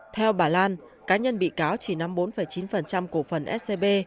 theo bà lan cá nhân bị cáo chỉ nắm bốn chín cổ phần scb